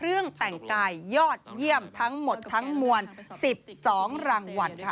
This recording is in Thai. เรื่องแต่งกายยอดเยี่ยมทั้งหมดทั้งมวลสิบสองรางวัลค่ะ